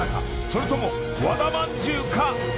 それとも和田まんじゅうか？